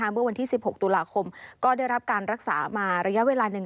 เมื่อวันที่๑๖ตุลาคมก็ได้รับการรักษามาระยะเวลาหนึ่ง